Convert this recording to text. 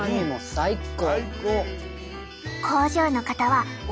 最高。